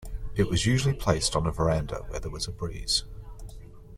It was usually placed on a veranda where there was a breeze.